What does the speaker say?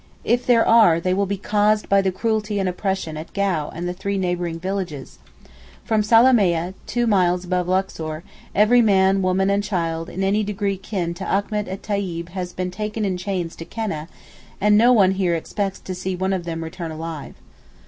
If there are they will be caused by the cruelty and oppression at Gau and the three neighbouring villages. From Salamieh, two miles above Luxor, every man woman and child in any degree kin to Achmet et Tayib has been taken in chains to Keneh and no one here expects to see one of them return alive.